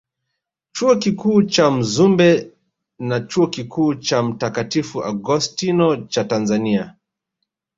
Chuo Kikuu cha Mzumbe na Chuo Kikuu cha Mtakatifu Augustino cha Tanzania